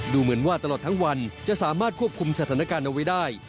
ดูเหมือนว่าตลอดทั้งวันจะสามารถควบคุมสถานการณ์เอาไว้ได้